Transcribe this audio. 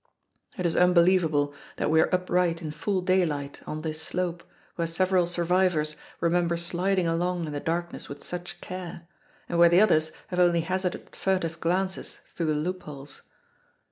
It is unbelievable that we are upright in full daylight on this slope where several survivors remember sliding along in the darkness with such care, and where the others have only hazarded furtive glances through the loopholes.